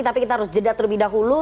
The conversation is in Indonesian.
tapi kita harus jeda terlebih dahulu